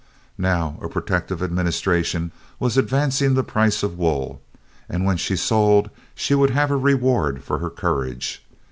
Now a protective administration was advancing the price of wool, and when she sold she would have her reward for her courage.